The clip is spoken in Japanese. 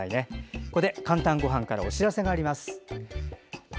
ここで「かんたんごはん」からお知らせです。